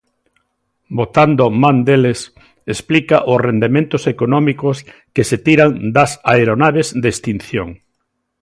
Botando man deles, explica os rendementos económicos que se tiran das aeronaves de extinción.